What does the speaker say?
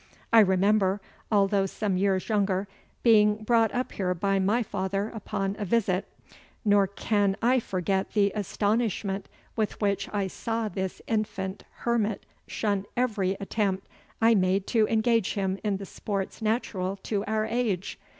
I remember, although some years younger, being brought up here by my father upon a visit, nor can I forget the astonishment with which I saw this infant hermit shun every attempt I made to engage him in the sports natural to our age.